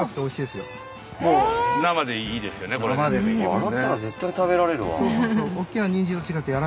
洗ったら絶対食べられるわ。